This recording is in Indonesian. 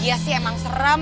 iya sih emang serem